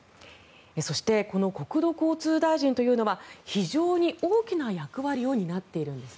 そしてこの国土交通大臣というのは非常に大きな役割を担っているんです。